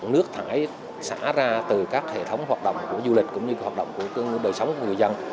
nước thải xả ra từ các hệ thống hoạt động của du lịch cũng như hoạt động của đời sống của người dân